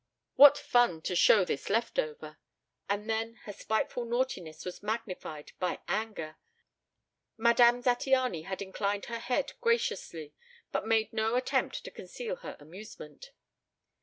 What fun to "show this left over." And then her spiteful naughtiness was magnified by anger. Madame Zattiany had inclined her head graciously, but made no attempt to conceal her amusement.